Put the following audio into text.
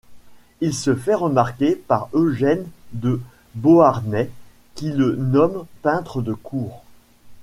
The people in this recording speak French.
Il se fait remarquer par Eugène de Beauharnais qui le nomme peintre de cour.